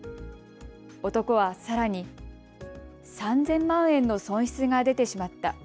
男はさらに３０００万円の損失が出てしまった。